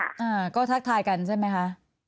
อ่าก็ทักทายกันใช่ไหมคะ